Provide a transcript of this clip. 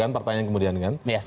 pertanyaan kemudian kan